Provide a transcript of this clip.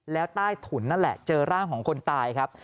แล้วใต้ถุนนั่นแหละเจอร่างของคนตายครับ